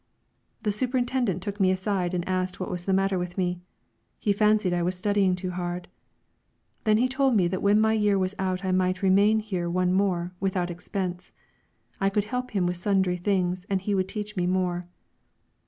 The superintendent took me aside and asked what was the matter with me; he fancied I was studying too hard. Then he told me that when my year was out I might remain here one more, without expense. I could help him with sundry things, and he would teach me more.